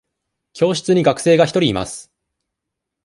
教室に学生が一人います。